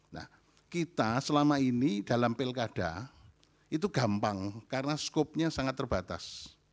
nah kita selama ini dalam pilkada itu gampang karena skopnya sangat terbatas